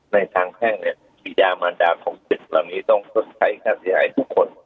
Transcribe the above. ในทางแท่งเนี้ยภิกษามารดาของศิษย์แหละมีต้องทศัยข้าศิหายทุกคน